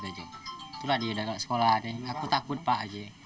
itu lah dia sudah kalah sekolah aku takut pak